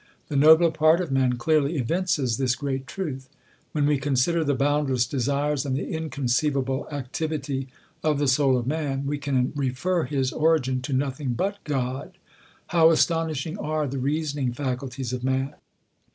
The nobler part of man clearly evinces this great truth. When we consider the boundless de sires and the inconceivable activity of the soul of man, we can refer his origin to nothing but God. How as tonishing are the reasoning faculties of man